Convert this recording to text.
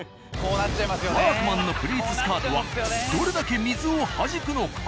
「ワークマン」のプリーツスカートはどれだけ水をはじくのか？